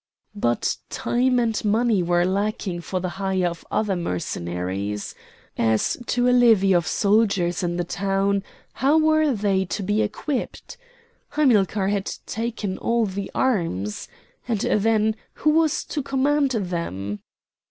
But time and money were lacking for the hire of other Mercenaries. As to a levy of soldiers in the town, how were they to be equipped? Hamilcar had taken all the arms! and then who was to command them?